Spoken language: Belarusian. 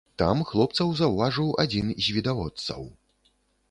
Там хлопцаў заўважыў адзін з відавочцаў.